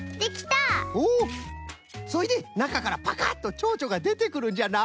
そいでなかからパカッとチョウチョがでてくるんじゃな。